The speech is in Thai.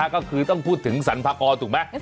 ก็คือต้องพูดถึงสรรพากรถูกไหม